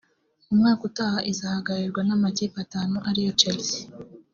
umwaka utaha izahagararirwa n’amakipe atanu ariyo Chelsea